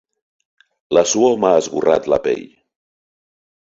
La suor m'ha esgorrat la pell.